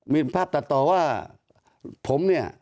มีภาพตัดต่อว่าผมเนี่ย